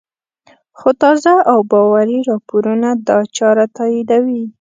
خو تازه او باوري راپورونه دا چاره تاییدوي